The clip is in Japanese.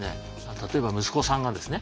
例えば息子さんがですね